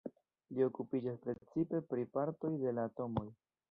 Li okupiĝas precipe pri partoj de la atomoj.